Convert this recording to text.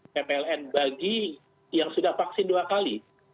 ppln bagi yang sudah vaksin dua kali